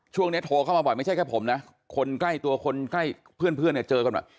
โทรเข้ามาบ่อยไม่ใช่แค่ผมนะคนใกล้ตัวคนใกล้เพื่อนเนี่ยเจอกันบ่อย